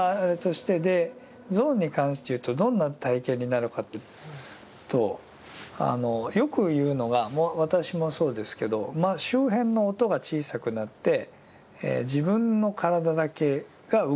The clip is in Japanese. ゾーンに関して言うとどんな体験なのかというとよく言うのが私もそうですけど周辺の音が小さくなって自分の体だけが動いてる感じになるという。